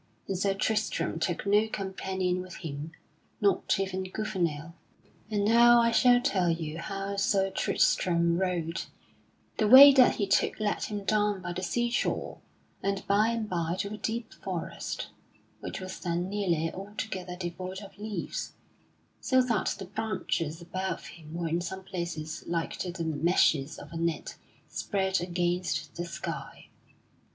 And Sir Tristram took no companion with him, not even Gouvernail. And now I shall tell you how Sir Tristram rode: the way that he took led him down by the seashore, and by and by to a deep forest, which was then nearly altogether devoid of leaves, so that the branches above him were in some places like to the meshes of a net spread against the sky.